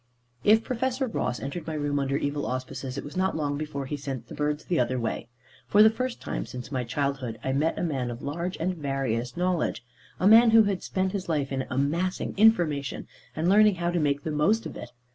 If Professor Ross entered my room under evil auspices, it was not long before he sent the birds the other way. For the first time, since my childhood, I met a man of large and various knowledge; a man who had spent his life in amassing information, and learning how to make the most of it.